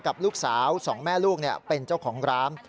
กับลูกสาวสองแม่ลูกเป็นเจ้าของร้าน